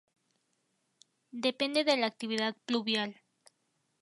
Depende de la actividad pluvial.